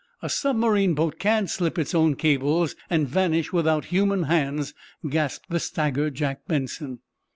"A submarine boat can't slip its own cables and vanish without human hands!" gasped the staggered Jack Benson.